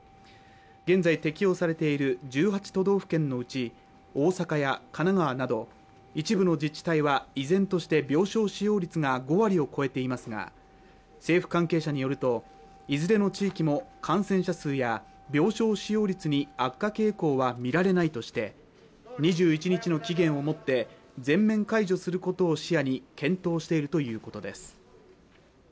現在適用されている１８都道府県のうち大阪や神奈川など一部の自治体は依然として病床使用率が５割を超えていますが政府関係者によるといずれの地域も感染者数や病床使用率に悪化傾向は見られないとして２１日の期限をもって全面解除することを視野に検討しているということです